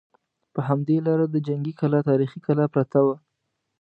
په همدې لاره د جنګي کلا تاریخي کلا پرته وه.